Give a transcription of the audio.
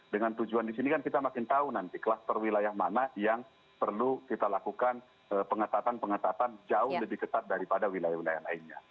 dengan tujuan di sini kan kita makin tahu nanti kluster wilayah mana yang perlu kita lakukan pengetatan pengetatan jauh lebih ketat daripada wilayah wilayah lainnya